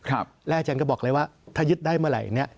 และอาจารย์ก็บอกเลยว่าถ้ายึดได้เมื่อไหร่เนี่ย